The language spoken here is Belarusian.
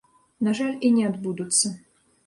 На жаль, і не адбудуцца.